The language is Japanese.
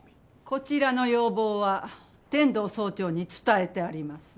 こちらの要望は天堂総長に伝えてあります。